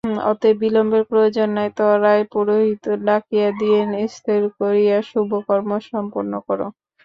অতএব বিলম্বের প্রয়োজন নাই ত্বরায় পুরোহিত ডাকাইয়া দিন স্থির করিয়া শুভ কর্ম সম্পন্ন কর।